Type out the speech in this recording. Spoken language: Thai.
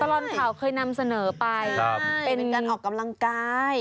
ตลอดข่าวเคยนำเสนอไปเป็นการออกกำลังกาย